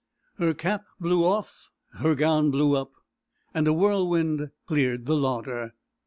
"Her cap blew off, her gown blew up, And a whirlwind cleared the larder."